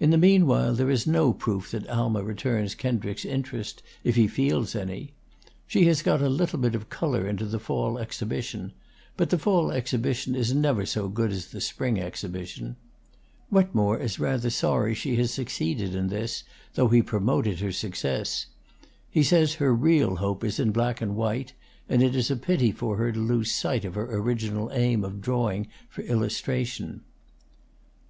In the mean while there is no proof that Alma returns Kendricks's interest, if he feels any. She has got a little bit of color into the fall exhibition; but the fall exhibition is never so good as the spring exhibition. Wetmore is rather sorry she has succeeded in this, though he promoted her success. He says her real hope is in black and white, and it is a pity for her to lose sight of her original aim of drawing for illustration.